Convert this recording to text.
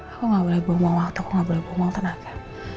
aku gak boleh bonggol waktu aku gak boleh bonggol tenaga